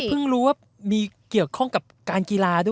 เฮ้ยเพิ่งรู้ว่ามีเกี่ยวข้องกับการกีฬาด้วย